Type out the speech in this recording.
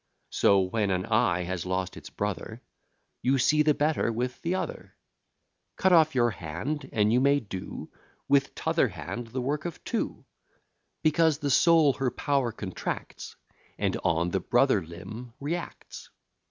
So, when an eye has lost its brother, You see the better with the other, Cut off your hand, and you may do With t'other hand the work of two: Because the soul her power contracts, And on the brother limb reacts.